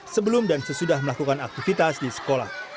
sebelum dan sesudah melakukan aktivitas di sekolah